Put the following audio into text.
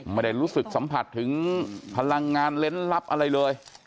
ไม่ได้รู้สึกสัมผัสถึงพลังงานเล่นลับอะไรเลย